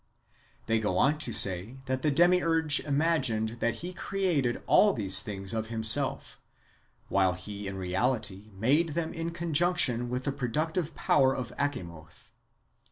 They go on to say that the Demiurge imagined that he created all these things of himself, while he in reality made them in conjunction with the productive power of Achamoth.